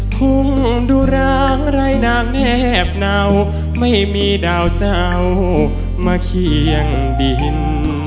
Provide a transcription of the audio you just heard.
ทุ่งดุรังรายนางแนบเหนาไม่มีดาวเจ้ามาเคียงดิน